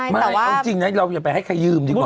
ไม่เอาจริงนะเราอย่าไปให้ใครยืมดีกว่า